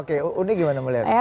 oke uni gimana melihatnya